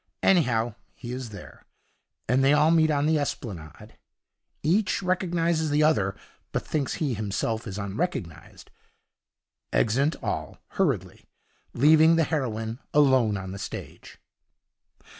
Anyhow, he is there, and they all meet on the Esplanade. Each recognizes the other, but thinks he himself is unrecognized. Exeunt all, hurriedly, leaving the heroine alone on the stage.